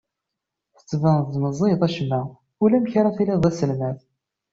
Tettbineḍ-d meẓẓiyeḍ acemma, ulamek ara tiliḍ d aselmad.